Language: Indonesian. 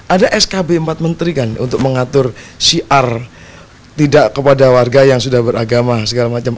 ada skb empat menteri kan untuk mengatur syiar tidak kepada warga yang sudah beragama segala macam